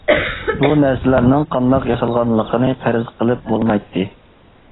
بۇ نەرسىلەرنىڭ قانداق ياسالغانلىقىنى پەرەز قىلىپ بولمايتتى.